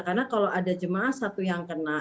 karena kalau ada jemaah satu yang kena